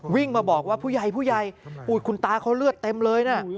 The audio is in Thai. วิ่งมาบอกว่าผู้ใหญ่ผู้ใหญ่คุณตาเขาเลือดเต็มเลยนะ